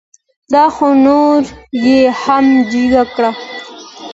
دا خو نوره یې هم جگه کړه.